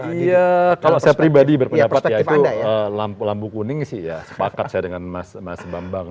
iya kalau saya pribadi berpendapat ya itu lampu kuning sih ya sepakat saya dengan mas bambang